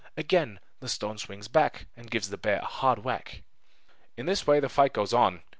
Again the stone swings back and gives the bear a hard whack. In this way the fight goes on.